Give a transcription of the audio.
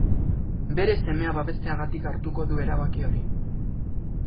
Bere semea babesteagatik hartuko du erabaki hori.